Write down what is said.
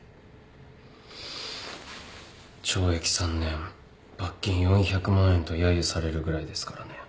懲役３年罰金４００万円とやゆされるぐらいですからね。